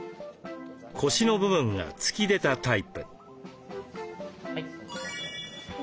腰の部分が突き出たタイプ。